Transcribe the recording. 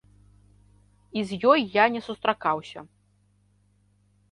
І з ёй я не сустракаўся.